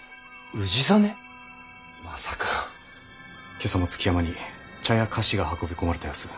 今朝も築山に茶や菓子が運び込まれた様子。